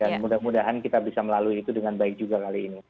dan mudah mudahan kita bisa melalui itu dengan baik juga kali ini